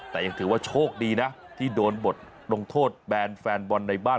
แต่ยังถือว่าโชคดีนะที่โดนบทลงโทษแบนแฟนบอลในบ้าน